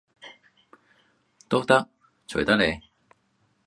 都得，隨得你